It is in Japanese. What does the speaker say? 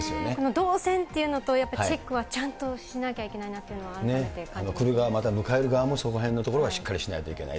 動線っていうのとチェックはちゃんとしなきゃいけないなって迎える側もそのへんはしっかりしないといけない。